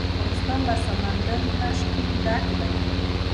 افغانستان له سمندر نه شتون ډک دی.